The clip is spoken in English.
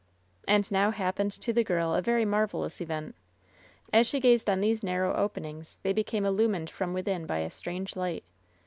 And now happened to the girl a very marvelous event. As she gazed on these narrow openings they became illumined from within by a strange light.